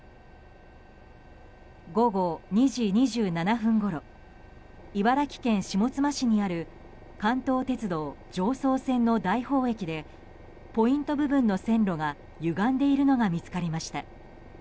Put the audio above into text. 午後２時２７分ごろ茨城県下妻市にある関東鉄道常総線の大宝駅でポイント部分の線路がゆがんでいるのが見つかりました。